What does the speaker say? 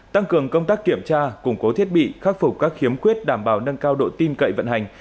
tăng cường công tác kiểm tra củng cố thiết bị khắc phục các khiếm quyết đảm bảo nâng cao độ tim cậy vận hành